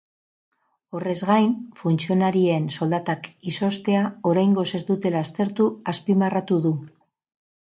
Horrez gain, funtzionarien soldatak izoztea oraingoz ez dutela aztertu azpimarratu du.